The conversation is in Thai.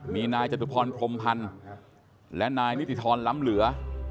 มีนายจตุพรพรมพันธ์และนายนิติธรรมล้ำเหลือ